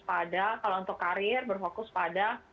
pada kalau untuk karir berfokus pada